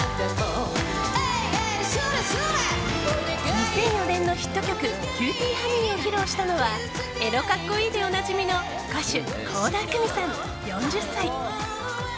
２００４年のヒット曲「キューティーハニー」を披露したのはエロ格好いいでおなじみの歌手倖田來未さん、４０歳。